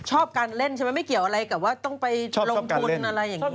ชอบการเล่นใช่ไหมไม่เกี่ยวอะไรกับว่าต้องไปลงทุนอะไรอย่างนี้